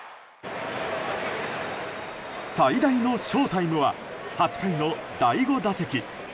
最大のショウタイムは８回の第５打席。